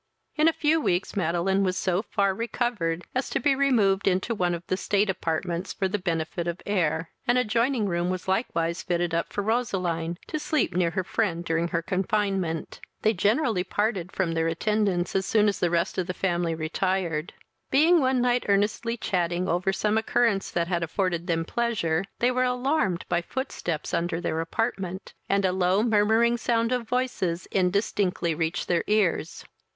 In a few weeks Madeline was so far recovered, as to be removed into one of the state apartments for the benefit of air; an adjoining room was likewise fitted up for Roseline, to sleep near her friend during her confinement. They generally parted from their attendants as soon as the rest of the family retired. Being one night earnestly chatting over some occurrence that had afforded them pleasure, they were alarmed by footsteps under their apartment, and a low murmuring sound of voices indistinctly reached their ears.